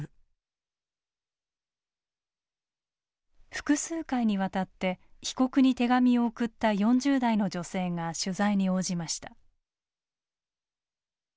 複数回にわたって被告に手紙を送った４０代の女性が取材に応じました。